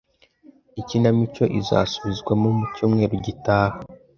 Ikinamico izasubirwamo mu cyumweru gitaha.